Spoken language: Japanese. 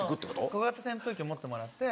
小型扇風機を持ってもらって。